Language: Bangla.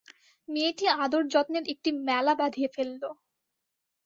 মেয়েটি আদর-যত্নের একটি মেলা বাধিয়ে ফেলল।